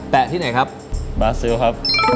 แตะที่ไหนครับ